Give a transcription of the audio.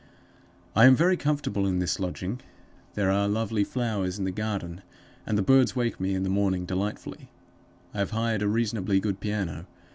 "I am very comfortable in this lodging. There are lovely flowers in the garden, and the birds wake me in the morning delightfully. I have hired a reasonably good piano.